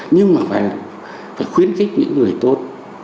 nhưng mà phải khuyến khích những người tốt